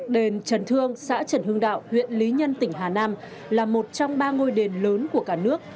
đền trần thương xã trần hưng đạo huyện lý nhân tỉnh hà nam là một trong ba ngôi đền lớn của cả nước